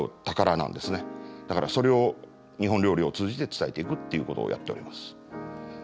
だからそれを日本料理を通じて伝えていくということをやっております。